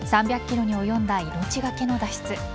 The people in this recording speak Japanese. ３００ｋｍに及んだ命がけの脱出。